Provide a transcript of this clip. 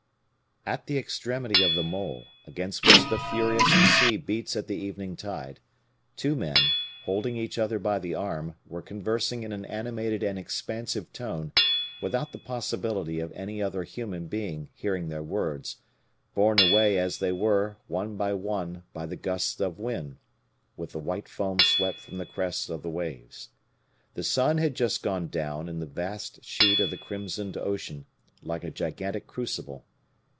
At the extremity of the mole, against which the furious sea beats at the evening tide, two men, holding each other by the arm, were conversing in an animated and expansive tone, without the possibility of any other human being hearing their words, borne away, as they were, one by one, by the gusts of wind, with the white foam swept from the crests of the waves. The sun had just gone down in the vast sheet of the crimsoned ocean, like a gigantic crucible.